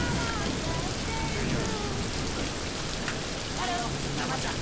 ハロー「生茶」